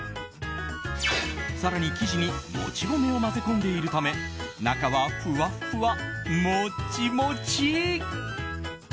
更に生地にもち米を混ぜ込んでいるため中は、ふわっふわもっちもち。